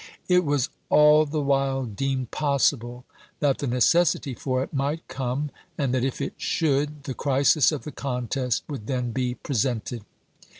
It was all tlie while deemed possible that the necessity for it might come, and that if it should the crisis of the contest would then be presented.